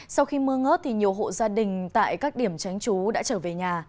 sau khi mưa ngớt thì nhiều hộ gia đình tại các điểm tránh chú đã trở về nhà